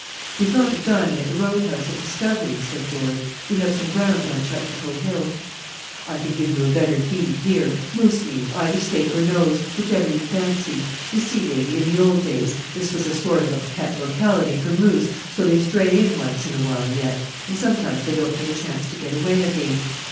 "We thought of dining at the road house at Discovery," said George. "We have some ground on Chechacho Hill." "I can give you a better feed here: moose meat, either steak or nose, whichever you fancy. You see, lady, in the old days this was a sort of a pet locality for moose, so they stray in once in a while yet, and sometimes they don't get a chance to get away again."